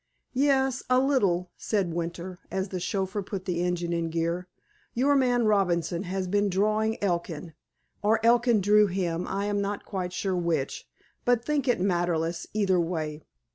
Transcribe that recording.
"Yes, a little," said Winter, as the chauffeur put the engine in gear. "Your man, Robinson, has been drawing Elkin, or Elkin drew him—I am not quite sure which, but think it matterless either way."